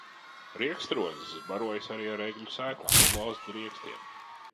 Riekstrozis barojas arī ar egļu sēklām un lazdu riekstiem.